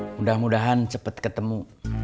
mudah mudahan cepet ketemu